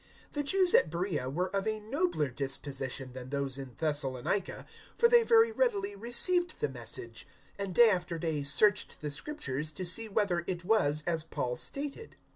017:011 The Jews at Beroea were of a nobler disposition than those in Thessalonica, for they very readily received the Message, and day after day searched the Scriptures to see whether it was as Paul stated.